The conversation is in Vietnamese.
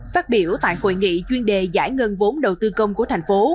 phát biểu tại hội nghị chuyên đề giải ngân vốn đầu tư công của thành phố